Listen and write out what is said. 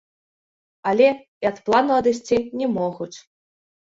Але і ад плану адысці не могуць.